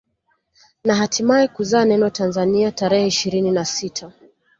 Na hatimae kuzaa neno Tanzania tarehe ishirina na sita